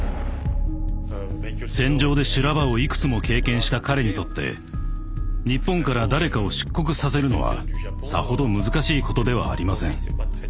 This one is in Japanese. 戦場で修羅場をいくつも経験した彼にとって日本から誰かを出国させるのはさほど難しいことではありません。